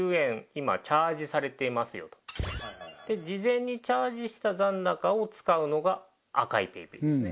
今チャージされていますよとで事前にチャージした残高を使うのが赤いＰａｙＰａｙですね